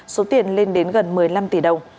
số tiền lên đến gần một mươi năm tỷ đồng